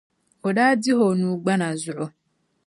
O daa dihi o nuu gbana zuɣu.